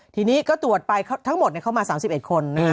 ทีนี้ก็ตรวจไปทั้งหมดเข้ามา๓๑คน